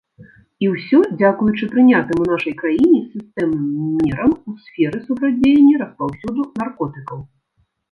І ўсё дзякуючы прынятым у нашай краіне сістэмным мерам у сферы супрацьдзеяння распаўсюду наркотыкаў.